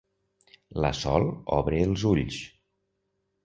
La Sol obre els ulls.